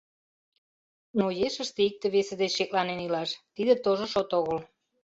Но ешыште икте-весе деч шекланен илаш — тиде тожо шот огыл.